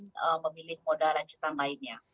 dan juga untuk memilih modal lanjutan lainnya